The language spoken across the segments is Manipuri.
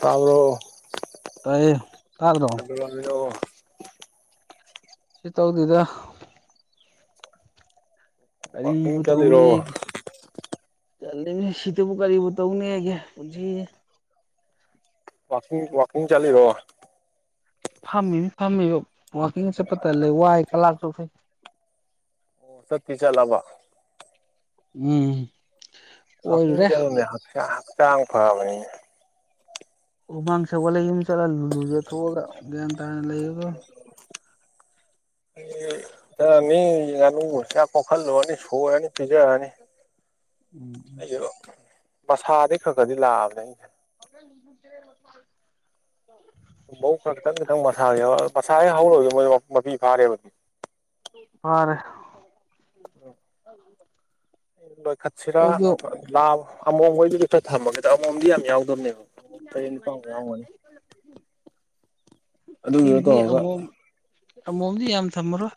ꯇꯥꯥꯎꯔꯣ ꯇꯥꯏꯌꯦ ꯇꯥ꯭ꯔꯣ ꯑꯗꯨꯒ ꯑꯗꯣ ꯁꯤ ꯇꯧꯗꯦꯗ ꯋꯥꯛꯀꯤꯡ ꯀꯔꯤꯕꯨ ꯆꯠꯂꯤꯔꯣ ꯇꯧꯅꯦ ꯆꯠꯂꯤꯕꯅꯦ ꯁꯤꯇꯕꯨ ꯀꯔꯤꯕꯨ ꯇꯧꯅꯤ ꯍꯥꯏꯒꯦ ꯄꯨꯟꯁꯤ ꯋꯥꯀꯤ ꯋꯥꯀꯤꯡ ꯆꯥꯂꯤꯔꯣ ꯐꯝꯃꯤꯅꯦ ꯐꯝꯃꯤꯕ ꯋꯥꯋꯥꯛꯀꯤꯡ ꯆꯠꯄ ꯇ ꯂꯩ ꯋꯥꯏ ꯀ ꯂꯥꯛ ꯆꯈꯩ ꯇꯤ ꯆ ꯂꯕꯥ ꯎꯝ ꯑꯈ ꯀꯣꯏꯔꯨꯔꯦ ꯆꯨꯅꯦ ꯍꯛꯆꯥꯡ ꯍꯛꯆꯥꯡ ꯐꯔ ꯑꯃꯅꯤꯅꯤ ꯎꯃꯥꯡ ꯁꯛꯄꯂ ꯌꯨꯝ ꯆꯠꯂꯒ ꯂꯨꯂꯨ ꯆꯠꯊꯑꯒ ꯒ꯭ꯌꯥꯟ ꯇꯥꯔꯅ ꯂꯩꯒ [inaudible] ꯆꯠꯅꯤ ꯉꯥꯅꯨ ꯆꯥꯛ ꯀꯣꯛꯈꯠꯂꯨꯔꯅꯤ ꯁꯣꯏꯔꯅꯤ ꯄꯤꯖꯔꯅꯤ ꯎꯝ ꯑꯩꯁꯨ ꯃꯁꯥꯗꯤꯩ ꯈꯔ ꯈꯗꯤ ꯂꯥꯛꯑꯕꯅꯦ ꯑꯩꯁꯦ [unintelligible] ꯕꯧ ꯈ ꯇꯪ ꯈꯤꯇꯪ ꯃꯁꯥꯒꯤ ꯌꯥꯎ ꯃꯁꯥꯁ ꯍꯦꯛ ꯍꯧꯔꯒꯦ ꯃꯣꯏ ꯃꯄꯤ ꯐꯥꯔꯦꯕꯗꯤ ꯍꯔꯦ ꯎꯝ ꯂꯣꯏꯈꯠꯁꯤꯔꯥ ꯑꯩꯈꯣꯏꯗꯣ ꯂꯥ ꯑꯃꯣꯝꯕꯗꯨꯗꯤ ꯈꯔ ꯊꯝꯃꯒꯦ ꯑꯃꯣꯝꯗꯤ ꯌꯥꯝ ꯌꯥꯎꯗꯕꯅꯦꯕꯣꯝ ꯇꯔꯦꯠ ꯅꯤꯄꯥꯥꯟꯃꯨ ꯌꯥꯎꯒꯅꯤ ꯑꯩꯗꯤ ꯑꯃꯣꯝ ꯑꯃꯣꯝꯗꯤ ꯌꯥꯝ ꯊꯝꯃꯔꯣꯏ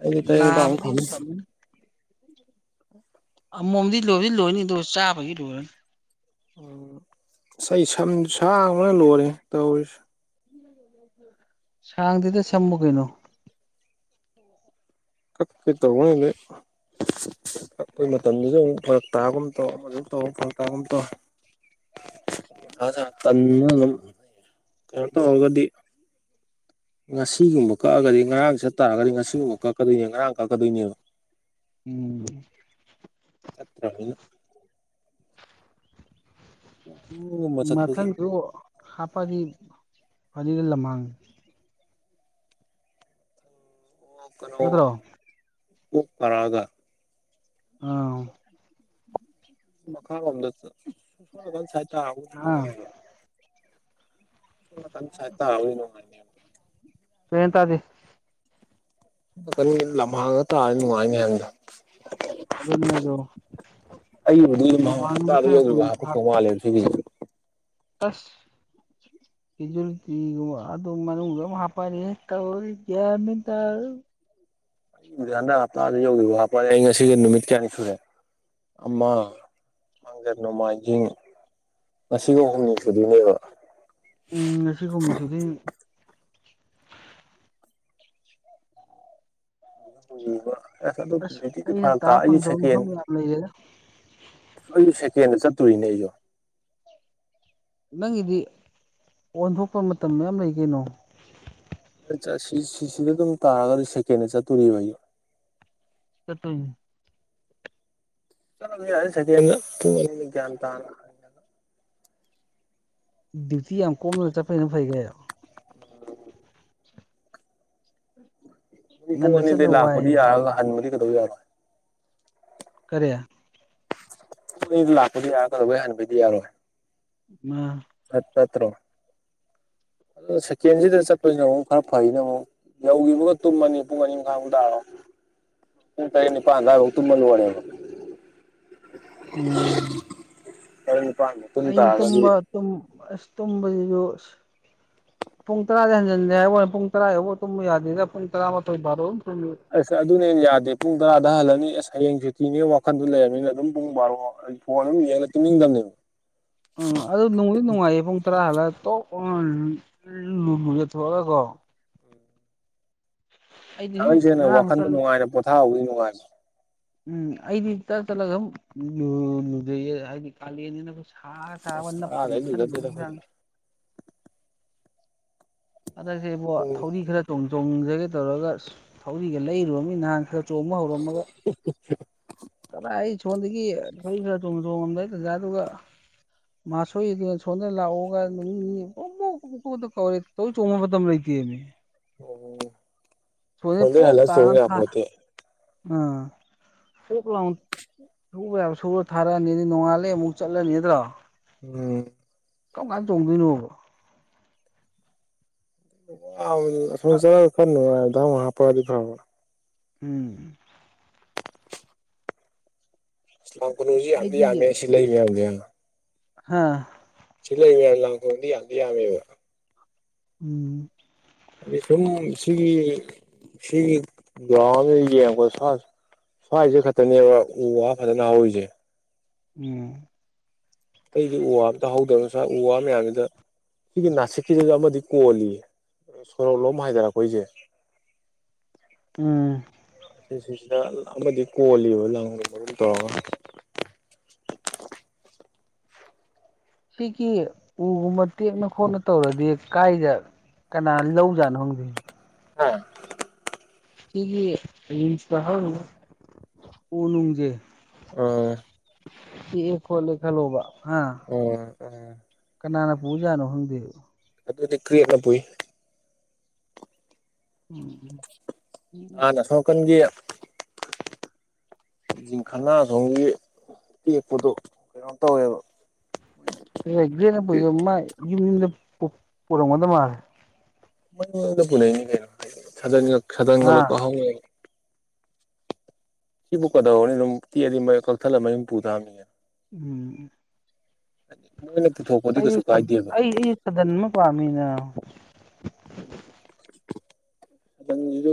ꯑꯩꯗꯤ ꯇꯔꯦꯠ ꯅꯤꯄꯥꯜꯃꯨꯛ ꯂꯥꯕꯗꯤ ꯊꯝꯃꯤ ꯀꯃ ꯃꯣꯝꯗꯤ ꯂꯣꯏꯗꯤ ꯂꯣꯏꯅꯤ ꯑꯗꯨꯗ ꯆꯥꯕꯒꯤ ꯂꯣꯏꯔꯅꯤ ꯑꯁ ꯑꯩ ꯁꯝ ꯁꯥꯡꯕꯅ ꯂꯣꯏꯔꯦ ꯇꯧꯔꯤꯁꯦ ꯁꯥꯡꯗꯤꯗ ꯁꯃꯨ ꯀꯩꯅꯣ ꯀꯄꯤ ꯇ ꯎꯦ ꯑꯩꯈꯣꯏ ꯃꯇꯝꯗꯨꯁꯨ ꯑꯃꯨꯛ ꯐꯔꯛ ꯇꯥꯒꯨꯝ ꯇꯧ ꯐꯖ ꯇꯧ ꯐꯔꯛ ꯇꯥꯒꯨꯝ ꯇꯧ ꯑ ꯇꯟꯅ ꯀꯩꯅꯛꯇ ꯍꯒꯗꯤ ꯉꯁꯤꯒꯨꯝꯕ ꯀꯛꯑꯒꯗꯤ ꯉꯔꯥꯡ ꯆꯠ ꯇꯥꯔꯒꯗꯤ ꯉꯁꯤꯒꯨꯝꯕ ꯀꯛꯀꯗꯣꯏꯅꯦ ꯉꯔꯥꯡ ꯀꯛꯀꯗꯣꯏꯅꯦꯕ ꯎꯝ ꯆꯠꯇ ꯍꯥꯏꯅ ꯋꯥꯛꯀꯤꯡꯒꯨꯝꯕ ꯆꯠꯄꯁꯦ ꯃꯊꯟꯁꯨ ꯍꯥꯞꯄꯗꯤ ꯐꯔꯤꯒ ꯂꯝꯍꯥꯡꯉ ꯀꯩꯅꯣ ꯅꯠꯇ꯭ꯔꯣ ꯎ ꯐꯔꯥꯒ ꯑꯥ ꯃꯈꯥꯂꯣꯝꯗ ꯁꯣꯂꯀꯥꯟ ꯁꯥꯏꯠꯇꯥ ꯍꯕ ꯑꯗꯨꯝ ꯑꯥ ꯅꯨꯡꯉꯥꯏꯕ ꯁꫭꯝ ꯅꯥꯀꯟ ꯁꯥꯏꯠ ꯇꯥꯔꯕꯨꯗꯤ ꯅꯨꯡꯉꯥꯏꯅꯤ ꯀꯩꯍꯥꯏꯅꫭ ꯇꯥꯗꯤ ꯂꯝꯍꯥꯡꯉ ꯇꯥꯔꯗꯤ ꯅꯨꯡꯉꯥꯏꯅꯤ ꯍꯥꯏꯕꯅꯤꯗ ꯑꯗꯨꯅꯦ ꯑꯗꯣ ꯑꯩꯕꯨꯗꯤ ꯅꯣꯡꯃꯥꯡꯗ ꯍꯞꯇꯥꯗ ꯈꯔ ꯌꯧꯗ꯭ꯔꯤꯕ ꯀꯨꯏ ꯍꯥꯄꯣꯛ ꯊꯥ ꯐꯧ ꯃꯥꯜꯂꯦꯕ ꯁꯤꯒꯤꯁꯦ ꯑꯁ [inaudible] ꯀꯦꯖꯨꯂꯤꯇꯤꯒꯨꯝꯕ ꯑꯗꯨꯝ ꯃ ꯎꯝ ꯍꯥꯞꯄꯅꯤ ꯇꯧꯔꯤꯁꯤ [unintelligible] ꯍꯟꯗꯛ ꯍꯞꯇꯥꯗ ꯌꯧꯈꯤꯕ ꯍꯥꯞꯄꯦ ꯑꯩ ꯉꯁꯤꯒꯤ ꯅꯨꯃꯤꯠ ꯀꯌꯥꯅꯤ ꯁꯨꯔꯦ ꯑꯃ ꯅꯣꯡꯃꯥꯏꯖꯤꯡ ꯉꯁꯤꯒ ꯍꯨꯝꯅꯤ ꯁꯨꯗꯣꯏꯅꯦꯕ ꯎꯝ ꯉꯁꯤ ꯍꫭꯡꯏꯁꯤꯗꯤ ꯑꯁ [unintelligible] ꯑꯩꯅ ꯐꯔꯛ ꯇꯥ ꯇꯥꯏ ꯑꯩꯖꯨ ꯐꯪꯗꯕ ꯁꯀꯦꯟ ꯃꯐꯝ ꯌꯥꯝ ꯂꯩꯔꯦꯗ ꯑꯩꯖꯨ ꯁꯦꯀꯦꯟꯗ ꯆꯠꯇꯣꯔꯤꯅꯦ ꯑꯩꯁꯨ ꯅꯪꯒꯤꯗꯤ ꯑꯣꯟꯊꯣꯛꯄ ꯃꯇꯝ ꯃꯌꯥꯝ ꯂꯩ ꯀꯩꯅꯣ ꯁꯤꯁꯤꯗ ꯑꯗꯨꯝ ꯇꯥꯔꯒꯗꯤ ꯁꯦꯀꯦꯟꯗ ꯆꯠꯇꯣꯔꯤꯕꯣ ꯆꯠꯇꯣꯏꯅꯤ ꯆꯠꯂꯁꯨ ꯌꯥꯏ [inaudible] ꯗꯌꯨꯇꯤ ꯌꯥꯝ ꯀꯣꯝꯅ ꯆꯠꯄꯅ ꯐꯩ ꯀꯩꯅꫭ ꯄꯨꯡ ꯉꯟꯅ ꯆꯠꯂ ꯑꯅꯤꯗꯒꯤ ꯋꯥꯏ ꯂꯥꯛꯄꯗꯤ ꯌꯥꯔꯒ ꯍꯟꯕꯗꯤ ꯀꯩꯗꯧ ꯌꯥꯔꯣꯏ ꯀꯔꯤ ꯂꯥꯛꯄꯗꯤ ꯌꯥꯔꯕꯨ ꯍꯅꯕꯤꯗꯤ ꯌꯥꯔꯣꯏ [unintelligible] ꯇꯠꯇ꯭ꯔꯣ ꯑꯗꯣ ꯁꯦꯀꯦꯟꯁꯤꯗ ꯆꯠꯄꯁꯤꯅ ꯑꯃꯨꯛ ꯈꯔ ꯐꯩꯅ ꯑꯃꯨꯛ ꯌꯧꯈꯤꯕꯒ ꯇꯨꯝꯃꯅꯤ ꯄꯨꯡ ꯑꯅꯤ ꯃꯈꯥꯏꯃꯨꯛ ꯇꯥꯔꯣ ꯄꯨꯡ ꯇꯔꯦꯠ ꯅꯤꯄꯟꯐꯧ ꯇꯨꯝꯃꯥ ꯂꯣꯏꯔꯦꯕ ꯎꯝ [unintelligible] ꯅꯨꯄꯥ [inaudible] ꯑꯩ ꯇꯨꯝꯕ ꯇ ꯑꯁ ꯇꯨꯝꯕꯁꯤꯁꯨ ꯄꯨꯡ ꯇꯔꯥꯗꯤ ꯍꯟꯖꯤꯟꯂ ꯍꯥꯏꯕ ꯋꯥꯅꯤ ꯄꯨꯡ ꯇꯔꯥ ꯌꯧꯛ ꯇꯨꯝꯕ ꯌꯥꯗꯅ ꯄꯨꯡ ꯇꯔꯥꯃꯊꯣꯏ ꯕꯥꯔꯣ ꯑꯗꯨꯝ ꯇꯨꯝꯃꯤ ꯑꯁ ꯑꯗꯨꯅꯦ ꯌꯥꯗꯦ ꯄꯨꯡ ꯇꯔꯥꯗ ꯍꯜꯂꯅꯤ ꯑꯁ ꯍꯌꯦꯡ ꯁꯨꯇꯤꯅꯦ ꯋꯥꯈꯟꯗꯨ ꯂꯩꯔꯕꯅꯤꯅ ꯑꯗꯨꯝ ꯄꯨꯡ ꯕꯥꯔꯣ ꯐꯣꯟ ꯌꯦꯂ ꯇꯨꯝꯅꯤꯡꯗꯝꯅꯤ ꯎꯥ ꯑꯗꯨ ꯅꯣꯡꯗꯤ ꯅꯨꯡꯉꯥꯏꯌꯦ ꯄꯨꯡ ꯇꯔꯥ ꯍꯜꯂꯒ ꯏꯔꯨ ꯌꯊꯣꯛꯑꯒ ꯀꯣ ꯑꯩꯗꯤ ꯁꯨꯝ ꯊꯉꯩꯁꯦꯡꯅ ꯉꯔꯥꯡ ꯋꯥꯈꯟꯗ ꯆꯠꯂꯤ ꯅꯨꯡꯉꯥꯏꯅ ꯄꯣꯊꯥꯍꯧꯕꯒꯤ ꯅꯨꯡꯉꯥꯏ ꯎꯝ ꯑꯩꯗꯤ ꯇꯠ ꯇꯠꯂꯒꯨꯖꯩꯌꯦ ꯍꯥꯏꯗꯤ ꯀꯥꯂꯦꯟꯅꯤꯅ ꯁꯥ ꯑꯁ [unintelligible] ꯅꯞꯀ ꯇꯔꯥꯗꯩ ꯂꯨꯖꯗꯦꯗ ꯅꯞꯁꯟꯕꯒ ꯑꯩꯈꯣꯏꯗꯤ ꯍꯗꯛꯁꯦꯕꯣ ꯄꯨꯡ ꯊꯧꯔꯤ ꯈꯔ ꯆꯣꯡ ꯆꯣꯡꯖꯒꯦ ꯇꯧꯔꯒ ꯊꯧꯔꯤꯒ ꯂꯩꯔꯨꯕ ꯃꯤ ꯅꯍꯥꯟ ꯈꯔ ꯆꯣꯡꯕ ꯍꯧꯔꯝꯃꯒ [unintelligible] [inaudible] ꯈꯔ ꯑꯩ ꯁꯣꯟꯗꯒꯤ ꯑꯩꯏ ꯈꯔ ꯆꯣꯡ ꯆꯣꯡꯉꯝꯗꯥꯏ ꯇꯖꯥ ꯑꯗꯨꯒ ꯃꯥꯁꯣꯏ ꯑꯗꯨꯅ ꯁꯣꯗꯅ ꯂꯥꯛꯑꯣꯒ ꯅꯨꯃꯤꯅꯤ [unintelligible] ꯊꯧꯔꯤ ꯆꫭꯡ ꯃꯇꯝ ꯂꯩꯇꯃꯤ ꯑꯁꯣꯝꯗ ꯍꯜꯂꯛꯑꯥ ꯌꯥꯄꯣꯟꯇꯦ ꯎꯝ ꯄꯨꯂꯞ ꯂꯥꯎ ꯁꯨꯕ ꯌꯥꯕ ꯁꯨꯔ ꯊꯥꯔꯛꯑꯅꯤ ꯑꯗꯩ ꯅꯣꯡꯉꯥꯂꯦ ꯑꯃꯨꯛ ꯆꯠꯂꯅꯤ ꯅꯠꯇ꯭ꯔꯣ ꯎꯝ ꯀꯝ ꯀꯥꯟ ꯆꫭꯡꯗꯣꯏꯅꯣꯕ [unintelligible] ꯑ ꯅꯨꯡꯉꯦꯗꯥ ꯃꯍꯥꯄꯔꯥꯕꯤ ꯐꯔꯕ ꯎꯝ ꯏꯁꯂꯥꯝ ꯀꯣꯅꯨꯡꯁꯤ ꯌꯥꯝꯗꯤ ꯌꯥꯝꯃꯦ ꯁꯤ ꯂꯩ ꯃꯌꯥꯝꯅꯦ ꯍꯥꯥ ꯆꯂꯕ ꯂ ꯑꯃꯗꯤ ꯑ ꯑꯃꯦꯕ ꯎꯝ ꯑꯗꯤ ꯁꯨꯝ ꯁꯤꯒꯤ ꯁꯤꯒꯤ ꯒꯔꯥꯎꯟꯗ ꯌꯦꯡꯄꯗ ꯁꯥ ꯁ꯭ꯋꯥꯏꯁꯦ ꯈꯛꯇꯅꯦꯕ ꯎ ꯋꯥ ꯐꯖꯅ ꯍꯧꯔꯤꯁꯦ ꯎꯝ ꯑꯇꯩꯗꯤ ꯎ ꯋꯥ ꯑꯝꯇꯍꯧꯗꯕꯅꯁꯥꯏ ꯎ ꯋꯥ ꯃꯌꯥꯝꯁꯤꯗ ꯁꯤꯒꯤ ꯅꯥꯁꯤꯛꯁꯤꯗꯩꯗ ꯑꯃꯗꯤ ꯀꯣꯜꯂꯤꯌꯦ ꯁꯣꯔꯂꯣꯝ ꯍꯥꯏꯗꯔꯛ ꯄꯩꯁꯦ ꯎꯝ ꯁꯤꯁꯤꯁꯤꯗ ꯑꯃꯗꯤ ꯀꯣꯜꯂꯤꯕ ꯂꯪꯕ ꯃꯔꯨꯝ ꯇꯧꯔꯒ ꯁꯤꯒꯤ ꯎꯒꯨꯝꯕ ꯇꯦꯛꯅ ꯈꯣꯠꯅ ꯇꯧꯔꯗꯤ ꯀꯥꯏꯗ ꯀꯅꯥ ꯂꯧꯖꯥꯠꯅꯣ ꯍꯪꯗꯦ ꯑ ꯁꯤꯒꯤ ꯏꯁ ꯍ ꯑꯣꯅꯨꯁꯦ ꯑ ꯑꯦ ꯍꯣꯂ ꯈꯂꯣꯕ ꯍꯥ ꯑꯣꯝ ꯀꯅꯥꯅ ꯄꯨꯖꯥꯠꯅꯣ ꯈꯪꯗꯦ ꯑꯗꯨꯗꯤ ꯀ꯭ꯔꯤꯌꯦꯠꯅꯕꯨ ꯎꯝ ꯑꯅ ꯑꯁꯣꯝꯅꯀꯥꯟꯒꯤ ꯍꯤꯡꯈꯅꯥꯁꯣꯝꯒꯤ ꯇꯦꯛꯄꯗꯣ ꯀꯩꯅꯣ ꯇꯧꯋꯦꯕ ꯚꯦꯟꯅ ꯄꯨꯏꯁꯦ ꯃꯥ ꯌꯨꯝ ꯌꯨꯝꯗ ꯄꯨꯔꯝꯒꯗꯕ ꯃꯥꯜꯂꯦ ꯄꯨꯅꯦ ꯁꯗꯟꯒ ꯑꯥ ꯂꯧꯊꯣꯛꯍꯧ ꯁꯤꯕꯨ ꯀꯗꯧꯔꯅꯤ ꯑꯗꯨꯝ ꯇꯤꯗꯤ ꯀꯛꯊꯠꯂꯝꯃ ꯌꯨꯝ ꯄꯨꯊꯑꯝꯃꯤꯅꯦ ꯎꯝ ꯃꯣꯏꯅ ꯄꯨꯊꯣꯛꯄ ꯑꯩ ꯑꯩ ꯑꯨ ꯁꯗꯟ ꯑꯃ ꯄꯥꯝꯃꯤꯅ ꯎꯝ ꯁꯤꯁꯨ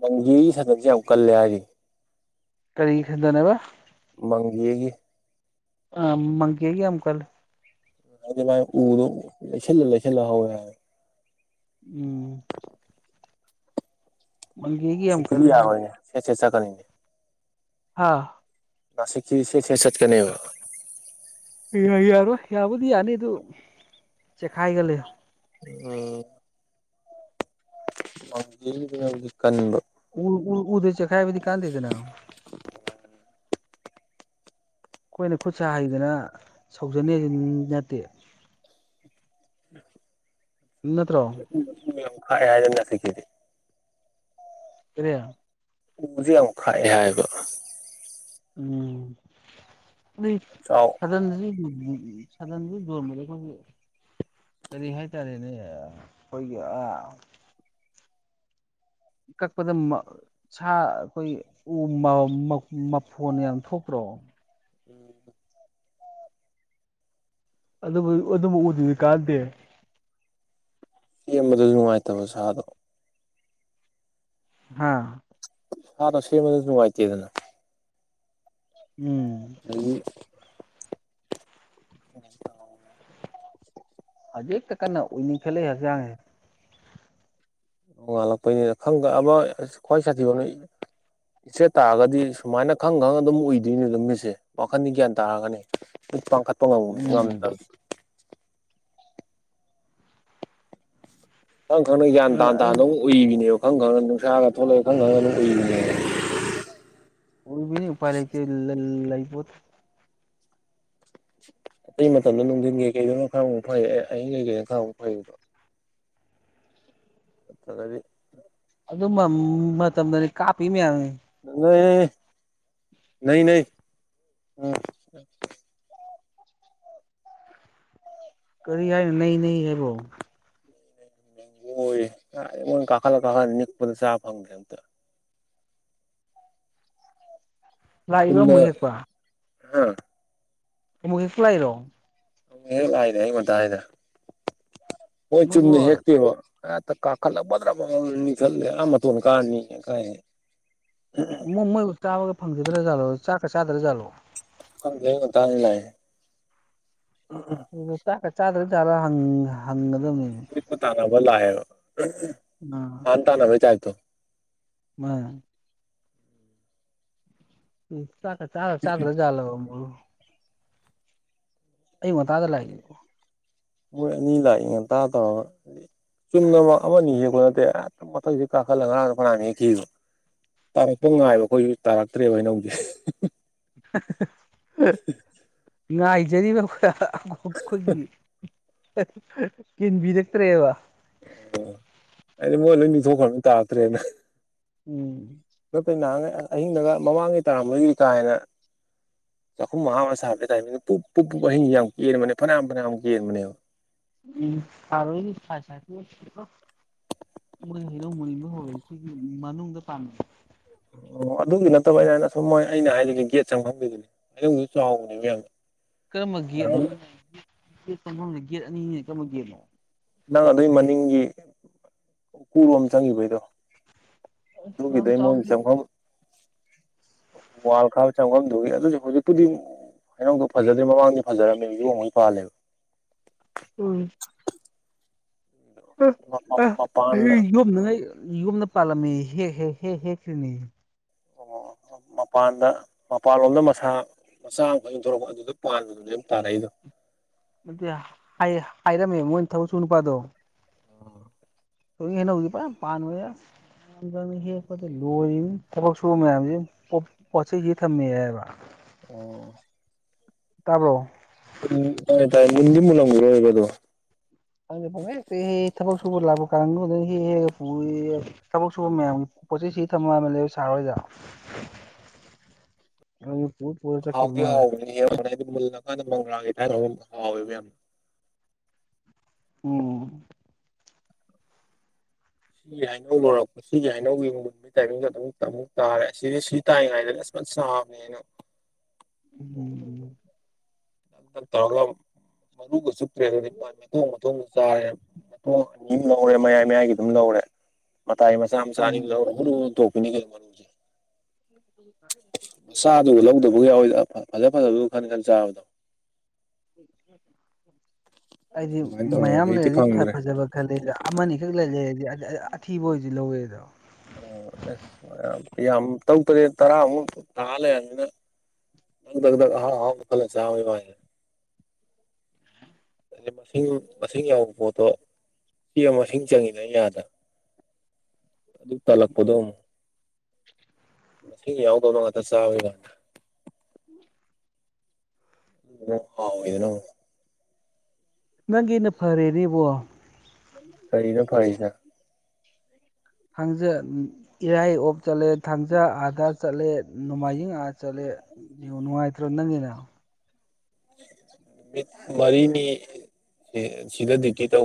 ꯃꯪꯒꯤꯒꯤ ꯁꯗꯛꯁꯦ ꯌꯥꯝ ꯀꯜꯂꯦ ꯍꯥꯏꯗꯤ ꯀꯔꯤꯒꯤ ꯈꯟꯗꯅꯦꯕ ꯃꯪꯒꯦꯒꯤ ꯑ ꯃꯪꯒ‌ꯦꯒꯤ ꯑꯝ ꯀꯜ ꯃꯥꯥꯏ ꯎꯔꯣ ꯂꯩꯁꯜꯂ ꯂꯩꯁꯂ ꯍꯋꯦ ꯕ ꯎꯝ ꯃꯪꯒꯦꯒꯤ ꯁꯤ ꯌꯥꯝ ꯀꯔꯤ ꯀꯜꯂꯤ ꯌꯥꯔꯣꯏꯅꯦ ꯁꯦꯠ ꯁꯦꯠꯀꯅꯤꯅꯦ ꯍꯥꯥ ꯀꯂꯥꯁꯤꯛꯇꯤ ꯁꯦ ꯁꯦ ꯆꯠꯀꯅꯦꯕ ꯌꯥ ꯌꯥꯔꯣꯏ ꯌꯥꯕꯨꯗꯤ ꯌꯥꯅꯤ ꯑꯗꯨ ꯆꯦꯛꯈꯥꯏꯒꯂ ꯎꯝ ꯃ ꯍꯧꯖꯤꯛ ꯀꯟꯕ ꯎ ꯎꯗ ꯆ ꯈꯥꯏꯕꯗꯤ ꯀꯥꯥꯟꯅꯗ‌ꯦꯗꯅ ꯑꯩꯈꯣꯏꯅ ꯈꯨꯠ ꯁꯥ ꯍꯩꯗꯅ ꯁꯧꯖꯟꯅꯤꯁꯨ ꯅꯠꯇꯦ [unintelligible] ꯅꯠꯇ꯭ꯔꯣ ꯎꯗꯅ ꯈꯥꯛꯑꯦ ꯍꯥꯏꯗ ꯅꯁꯤꯀꯦꯗꯤ ꯀꯔꯤ ꯎꯗꯨ ꯌꯥꯝ ꯈꯥꯛꯏ ꯍꯥꯏꯕ ꯎꯝ ꯅꯣꯢ ꯆꯥꯎ ꯁꯥꯗꯟ ꯑꯅꯤ ꯁꯥꯗꯟꯗꯤ ꯌꯣꯟꯕꯗ ꯑꯩꯈꯣꯏꯒꯤ ꯀꯔꯤ ꯍꯥꯏꯇꯥꯔꯦꯅꯦ ꯑꯩꯈꯣꯏꯒꯤ ꯑꯥ ꯀꯛꯄꯗ [inaudible] ꯁꯥ ꯑꯩꯈꯣꯏ ꯎ ꯃꯐꯣꯟ ꯌꯥꯝ ꯊꯣꯛꯄ꯭ꯔꯣ ꯎꯝ ꯑꯗꯨꯕꯨ ꯑꯗꯨꯕꯨ ꯎꯗꯨꯗꯤ ꯀꯥꯟꯗꯦ ꯁꯦꯝꯕꯥꯗꯁꯨ ꯅꯨꯡꯉꯥꯏꯇꯕ ꯁꯥꯗꯣ ꯍꯥꯥ ꯍ ꯔ ꯁꯤ ꯃꯅꯨꯡꯉꯥꯏꯇꯤ ꯑꯗꯨꯅ [inaudible] ꯎꯝ ꯑꯗꯒꯤ ꯍꯧꯖꯤꯛꯇ ꯀꯟꯅ ꯑꯨꯏꯅꯤꯡꯈꯠꯂꯛꯏ ꯍꯛꯆꯥꯡꯁꯦ ꯅꯣꯡꯉꯥꯜꯂꯛꯄꯩꯅꯤ ꯈꯪꯕ ꯑꯃ ꯈ꯭ꯋꯥꯏ ꯁꯥꯊꯤꯕ ꯏꯆꯦꯠ ꯇꯥꯔꯒꯗꯤ ꯁꯨꯃꯥꯏꯅ ꯈꯪꯅ ꯈꯪꯅ ꯑꯗꯨꯝ ꯑꯨꯏꯗꯣꯏꯅꯦ ꯑꯗꯨ ꯃꯤꯠꯁꯦ ꯋꯥꯈꯟꯗꯤ ꯒ꯭ꯌꯥꯟ ꯇꯥꯔꯒꯅꯤ ꯄꯥꯡꯈꯠꯄ ꯉꯝ ꯉꯝꯗꯝꯅꯦ ꯎꯝ ꯈꯪ ꯈꯪꯅ ꯒ꯭ꯌꯥꯟ ꯇꯥ ꯑꯩ ꯇꯥꯅꯝ ꯎꯏꯕꯤꯅꯦꯕ ꯈꯪ ꯈꯪꯉꯒ ꯅꯨꯡꯁꯥꯒ ꯊꯣꯛꯂꯛꯑꯦ ꯈꯪ ꯈꯪꯉꯒ ꯑꯗꯨꯝ ꯎꯏꯕꯤꯅꯦꯕ ꯎꯣꯏꯕꯤꯅꯤ ꯎ ꯄꯥꯏ ꯂꯩ ꯂꯕꯣ ꯑꯇꯩ ꯃꯇꯝꯗ ꯅꯨꯡꯊꯤꯟꯒꯤꯀꯩ ꯀꯩꯗꯅ ꯈꯥꯔ ꯑꯃꯨꯛ ꯐꯩꯌꯦ ꯑꯩꯍꯤꯡ ꯀꯩꯀꯩꯅ ꯈꯥꯔ ꯑꯃꯨꯛ ꯐꯩꯌꯦꯕ ꯇꯂꯗꯤ ꯑꯗꯨ ꯃꯇꯝꯗꯅꯦ ꯀꯥꯞꯄꯤ ꯃꯌꯥꯝꯅꯤ ꯅꯩ ꯅꯩ ꯀꯔꯤ ꯌꯥꯏ ꯅ ꯅ ꯍꯥꯏꯦꯕꯣ ꯣꯏꯣꯏ ꯀꯥꯈꯠꯂ ꯀꯥꯈꯠꯂ ꯅꯤꯛꯄꯗ ꯆꯥ ꯐꯪꯗ꯭ꯔꯦ ꯑꯝꯇ ꯂꯥꯛꯏꯕ ꯑꯃꯨꯛ ꯍꯦꯛꯄ ꯍꯥ ꯃꯨ ꯍꯦ ꯈꯨꯂꯥꯏꯔꯣ ꯍꯦꯛ ꯂꯥꯛꯏꯅꯦ ꯑꯩ ꯉ ꯍꯥꯏꯗ ꯍꯣꯏ ꯃꯣꯏꯕꯨ ꯆꯨꯝꯅ ꯍꯦꯛꯇꯦꯕ ꯍꯦꯛꯇ ꯀꯈꯠꯂꯒ ꯕꯗ꯭ꯔꯥ ꯕꯗ꯭ꯔꯥ ꯅꯤꯛꯊꯠꯂꯦ ꯑꯥ ꯃꯇꯣꯟ ꯀꯥꯔꯒ ꯅꯤꯛꯑꯦ ꯀꯥꯏꯗꯩ ꯃꯣꯏ ꯃꯣꯏꯕꯨ ꯆꯥꯕꯒꯥꯛ ꯐꯪꯖꯗ꯭ꯔꯥꯖꯥꯠꯂꯣ ꯆꯥꯛꯀ ꯆꯥꯗ꯭ꯔꯥꯖꯥꯠꯂꯣ ꯈꯪꯗꯦ ꯑꯩ ꯉꯟꯇꯅ ꯂꯥꯛꯑꯦꯍꯦ ꯥꯑꯗꯨꯗ ꯆꯥꯛꯀ ꯆꯗ꯭ꯔꯕ ꯖꯥꯠꯂ ꯍꯪꯒꯗꯝꯅꯤꯅꯦ ꯇꯥꯟꯅꯕ ꯂꯥꯛꯑꯦꯕ ꯍꯥꯟ ꯇꯥꯟꯅꯕꯩ ꯇꯥꯞꯏꯇ ꯎꯝ ꯎꯝ ꯆꯥꯛꯀ ꯆꯥꯔ ꯆꯥꯗ꯭ꯔꯖꯥꯠꯂꯣ ꯑꯩ ꯉꯥꯗ ꯂꯥꯛꯏꯒꯦ ꯃꯣꯏ ꯑꯅꯤ ꯂꯥꯛꯏ ꯉꯟꯇꯥ ꯇꯧꯔꯒ ꯆꯨꯝꯅ ꯑꯃ ꯑꯅꯤ ꯍꯦꯛꯄ ꯅꯠꯇꯦ ꯍꯦꯛꯇ ꯃꯊꯛꯁꯤꯗ ꯀꯥꯈꯠꯂꯒ ꯉꯔꯥꯡꯁꯨ ꯐꯅꯌꯥꯝ ꯍꯦꯛꯈꯤꯌꯦꯕ ꯇꯥꯔꯛꯄ ꯉꯥꯏꯕ ꯑꯩꯈꯣꯏꯁꯨ ꯇꯥꯔꯛꯇ꯭ꯔꯦꯕ ꯍꯩꯅꯧꯗꯤ ꯑꯥꯏꯖꯔꯤꯕꯥꯎꯈ ꯀꯤꯟꯕꯤꯔꯛꯇ꯭ꯔꯦꯕ ꯑꯣ ꯍꯥꯏꯗꯤ ꯃꯣꯏ ꯂꯣꯏꯅꯤ ꯊꯣꯛꯈ ꯇꯥꯛꯇ꯭ꯔꯦꯅ ꯎꯝ ꯅ ꯀꯩ ꯅꯍꯥꯟꯩ ꯑꯍꯤꯡꯗꯒ ꯃꯃꯥꯡꯒꯤꯩ ꯇꯥꯔꯝꯒꯤꯗꯤ ꯀꯥ ꯍꯦꯅ ꯆꯥꯛꯈꯨꯝ ꯃꯉꯥ ꯑꯃ ꯁꯥꯕ ꯇ ꯍꯥꯏꯕꯅꯤꯅ ꯄꯨ ꯄꯨꯛ ꯄꯨ ꯑꯍꯤꯡꯁꯤ ꯌꯥꯝ ꯀꯦꯟꯕꯅꯦ ꯐꯅꯌꯥꯝ ꯐꯅꯌꯥꯝ ꯀꯦꯟꯕꯅꯦꯕ [unintelligible] ꯃꯣꯔꯦ ꯍꯩꯅꯧ ꯃꯅꯤꯡ ꯍꯧꯔꯦꯡꯒꯤ ꯃꯅꯨꯡꯗ ꯄꯥꯟꯕꯗꯣ ꯑꯣ ꯑꯗꯨꯒꯤ ꯅꯠꯇꯕ ꯑꯩꯅ ꯍꯥꯏꯅ ꯁꯨꯝ ꯃꯣꯏ ꯑꯩꯅ ꯍꯥꯏꯔꯤꯒꯤ ꯒꯦꯠ ꯆꯪꯐꯝꯒꯤꯗꯨꯅꯤ ꯑꯩꯒꯤ ꯆꯥꯎꯗ꯭ꯔꯤꯕ ꯌꯥꯝꯅ ꯌꯔꯅꯤ ꯒꯠꯐꯝ ꯒꯦꯠ ꯑꯅꯤꯅ ꯀꯝꯕꯒꯦꯠꯅꯣ ꯅꯪ ꯑꯗꯨꯏ ꯃꯅꯤꯡꯒꯤ ꯑꯣꯏꯔꯣꯝ ꯆꯪꯈꯤꯕꯩꯗꯣ ꯑꯁ ꯌꯥꯝ ꯑꯗꯨꯒꯗꯤ ꯃꯣꯏ ꯆꯥꯎꯗꯦꯗ ꯆꯪꯐꯝ ꯋꯥꯜ ꯈꯥ ꯆ ꯑꯗꯨꯛꯇꯨꯗꯤ ꯍꯩꯅꯧꯗꯣ ꯐꯖꯗ꯭ꯦ ꯃꯃꯥꯡꯗꯤ ꯐꯖꯔꯝꯃꯦꯕ ꯌꯣꯡꯩ ꯄꯥꯜꯂꯦꯕ ꯎꯝ ꯑ ꯑ ꯃꯄꯥꯟꯗ ꯌꯣꯝꯅ ꯌꯣꯝꯅ ꯄꯥꯜꯂꯝꯃꯤ ꯍꯦꯛ ꯍꯦꯛ ꯍꯦꯛ ꯍꯦꯛꯛꯇ꯭ꯔꯤꯅꯤ ꯑꯣ ꯃꯄꯥꯟꯗ ꯃꯄꯥꯟꯂꯣꯝꯗ ꯃꯁꯥ ꯃꯆꯥ ꯑꯃ ꯐꯊꯣꯔꯔꯛꯄ ꯑꯗꯨꯗ ꯄꯥꯟꯕꯗꯨꯅ ꯑꯗꯨ ꯇꯥꯔꯛꯏꯗꯣ ꯑꯗꯨꯗꯤ ꯍꯥꯏ ꯍꯥꯏꯔꯝꯃꯦ ꯃꯣꯏꯅ ꯊꯕꯛ ꯁꯨ ꯅꯨꯄꯥꯗꯣ ꯊꯣꯏ ꯍꯧꯏ ꯍꯩꯅꯧꯗꯤ ꯐꯖꯅ ꯄꯟꯕ ꯖꯅꯤ ꯍꯦ ꯀꯠꯇ ꯂꯣꯏ ꯊꯕꯥ ꯁꯕ ꯃꯌꯥꯝ ꯄꯣꯠꯆꯩꯗꯤ ꯊꯝꯃꯦ ꯍꯥꯏꯕ ꯑꯣ ꯇꯥꯕ꯭ꯔꯣ ꯎꯝ ꯇꯥꯏ ꯇꯥꯏ ꯃꯨꯟꯗꯤ ꯃꯨꯟꯂꯝꯒꯤꯔꯣꯏꯕ ꯑꯗꯣ ꯈꯪꯗꯦ ꯄꯪꯍꯦꯛꯇ ꯍꯦꯛꯑꯦꯌꯦ ꯊꯕꯛ ꯁꯨꯕ ꯂꯥꯛꯄ ꯀꯥꯡꯕꯨꯅ ꯍꯦꯛꯑ ꯄꯨꯏꯌꯦꯌꯦ ꯊꯕꯛ ꯁꯨꯕ ꯃꯌꯥꯝꯒꯤ ꯄꯣꯠꯆ ꯁꯤ ꯊꯝꯃ ꯑꯃ ꯂꯩ ꯁꯥꯍꯔ ꯍꯣꯏꯗ [inaudible] ꯄꯨꯠ ꯄꯔ ꯆꯈꯤꯕꯕꯃꯔꯦ ꯅ ꯍꯥꯏꯗꯤ ꯃꯨꯜꯂꯀꯥꯟꯗ ꯃꯪꯒ꯭ꯔꯥꯒꯤ ꯊꯥꯏꯔ ꯍꯥꯎꯋꯦꯕ ꯌꯥꯝ ꯎꯝ ꯁꯤ ꯌꯥꯏꯅꯧ ꯃꯣꯔꯣꯛ ꯁꯤꯒꯤ ꯍꯩꯅꯧꯒꯤꯒꯨꯟꯕꯒꯤ ꯇꯥꯏꯃꯤꯡꯁꯨꯣ ꯑꯗꯨ ꯑꯃꯨꯛ ꯇꯥꯔꯦ ꯁꯤꯁ ꯁꯤ ꯇꯥꯏꯉꯩꯗꯗꯤ ꯑꯁꯨ ꯆꯥꯕꯅꯦꯅ ꯎꯝ ꯗꯤ ꯗꯛ ꯇꯧꯔꯒ ꯃꯔꯨꯒꯥꯛ ꯆꯨꯞꯇ꯭ꯔꯦ ꯑꯗꯨꯗꯤ ꯑꯊꯣꯡꯕꯊꯣꯡꯕ ꯆꯥꯔꯦ ꯃꯇꯣꯡ ꯑꯅꯤ ꯑꯃ ꯂꯧꯔꯦ ꯃꯌꯥꯏ ꯃꯌꯥꯏꯒꯤ ꯗꯨꯝꯃ ꯂꯧꯔꯦ ꯃꯇꯥꯏ ꯃꯆꯥ ꯃꯆꯥ ꯑꯅꯤꯡ ꯎꯝ ꯂꯧꯔ ꯍꯨꯔ ꯍꯨꯟ ꯇꯣꯛꯄꯤꯅꯤ ꯀꯩꯅꯣ ꯃꯔꯨꯁꯦ [inaudible] ꯃꯆꯥꯗꯨ ꯂꯧꯗꯕ ꯌꯥꯎꯋꯤꯗ ꯐꯖ ꯐꯖꯕ ꯈꯟ ꯈꯟ ꯆꯥꯕꯗꯣ ꯑꯩꯗꯤ ꯑꯗꯨꯃꯥꯏꯅ ꯇꯧꯋꯦꯕ ꯃꯌꯥꯝ ꯍꯧꯖꯤꯛꯇꯤ ꯂꯩꯔꯗꯤ ꯐꯪꯗ꯭ꯔꯦ ꯐꯥꯖꯕ ꯈꯜꯂꯗ ꯑꯃꯅꯤꯈꯛ ꯂꯩ ꯂꯩ ꯍꯥꯏꯗꯤ ꯑꯊꯤꯕ ꯑꯣꯏꯁꯨ ꯂꯧꯋꯦꯗꯣ ꯎ ꯑꯦꯁ ꯌꯥꯝ ꯇꯧ ꯇꯔꯦ ꯇꯔꯥꯃꯨꯛ ꯊꯥ ꯂꯩꯔꯅꯤꯅ ꯑꯍꯥꯎ ꯑꯍꯥꯎꯕ ꯈꯜꯂꯥ ꯆꯥꯎꯍꯦ ꯚꯥꯏ ꯑꯗꯤ ꯃꯁꯤꯡ ꯃꯁꯤꯡ ꯌꯥꯎꯕ ꯄꯣꯠꯇꯣ ꯁꯤ ꯑꯃ ꯃꯁꯤꯡ ꯆꯪꯉꯤꯗ ꯌꯥꯗꯅ [inaudible] ꯑꯗꯨꯛ ꯇꯥꯜꯂꯛꯄꯗꯣ ꯑꯃꯨꯛ ꯃꯁꯤꯡ ꯌꯥꯎꯗꯅ ꯉꯥꯛꯇ ꯆꯥꯕꯔꯤꯀꯥꯟꯗ [inaudible] [unintelligible] ꯅꯪꯒꯤꯅ ꯐꯔꯦꯅꯦꯕꯣ ꯀꯔꯤꯅ ꯐꯔꯤꯁꯦ ꯊꯥꯡꯖ ꯏꯔꯥꯏ ꯑꯣꯞ ꯆꯠꯂꯦ ꯊꯥꯡꯖꯥ ꯑꯥꯗꯥ ꯆꯠꯂꯦ ꯅꯣꯡꯃꯥꯏꯖꯤꯡ ꯑꯥ ꯆꯠꯂꯦ ꯌꯦꯡ ꯅꯨꯡꯉꯥꯏꯇ꯭ꯔꯣ ꯅꯪꯒꯤꯅ ꯅꯨꯃꯤꯠ ꯃꯔꯤꯅꯤ ꯁꯤꯗꯗꯤ ꯀꯩ ꯇꯧꯕ